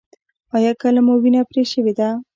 ایا کله مو وینه پرې شوې ده؟